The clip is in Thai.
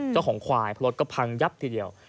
เจ้าของควายเพราะรถก็พังยับทีเดียว